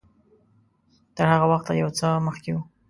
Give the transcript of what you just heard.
دا تر هغه وخته یو څه مخکې و.